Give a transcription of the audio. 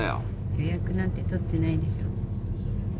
予約なんてとってないでしょ？